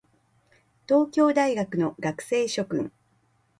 東京大学の学生諸君